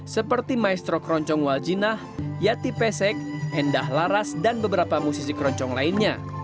seperti maestro keroncong waljinah yati pesek endah laras dan beberapa musisi keroncong lainnya